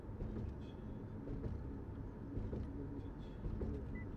Budget নিয়ে আলোচনায় মানুষের মনোযোগ এবার অনেক কম, বেশি হওয়ার কোনো যুক্তিও নেই।